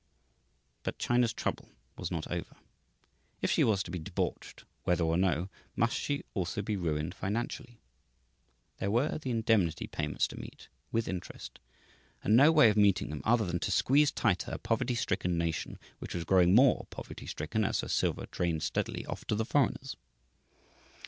But China's trouble was not over. If she was to be debauched whether or no, must she also be ruined financially? There were the indemnity payments to meet, with interest; and no way of meeting them other than to squeeze tighter a poverty stricken nation which was growing more poverty stricken as her silver drained steadily off to the foreigners.